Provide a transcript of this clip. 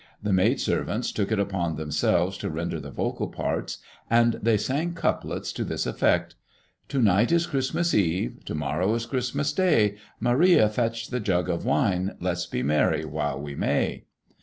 The maid servants took it upon themselves to render the vocal parts, and they sang couplets to this effect: "To night is Christmas eve; To morrow is Christmas day. Maria, fetch the jug of wine; Let's be merry while we may."